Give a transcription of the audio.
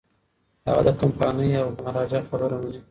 هغه د کمپانۍ او مهاراجا خبره مني.